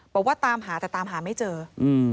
บอกว่าตามหาแต่ตามหาไม่เจอ